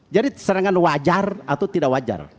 serangan wajar atau tidak wajar